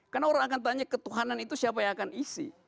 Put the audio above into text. karena orang akan tanya ketuhanan itu siapa yang akan isi